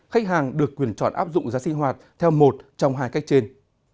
khách hàng được quyền chọn áp dụng giá sinh hoạt theo một trong hai cách trên